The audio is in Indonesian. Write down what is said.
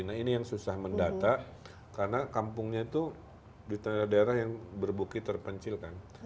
nah ini yang susah mendata karena kampungnya itu di daerah daerah yang berbukit terpencil kan